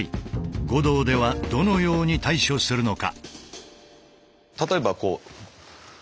護道ではどのように対処するのか。